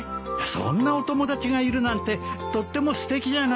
そんなお友達がいるなんてとってもすてきじゃないですか。